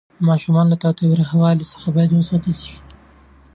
ماشومان له تاوتریخوالي باید وساتل شي.